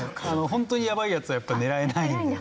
ホントにやばいやつはやっぱ狙えないんで。